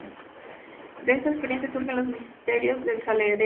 De esa experiencia surgen Los misterios del Saladero.